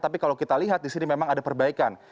tapi kalau kita lihat di sini memang ada perbaikan